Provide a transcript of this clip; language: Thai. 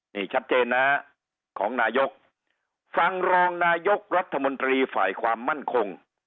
นี่ชัดเจนนะของนายกฟังรองนายกรัฐมนตรีฝ่ายความมั่นคง